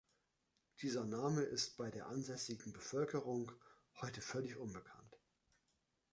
Dieser Name ist bei der ansässigen Bevölkerung heute völlig unbekannt.